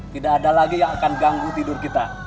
tidak ada lagi yang akan ganggu tidur kita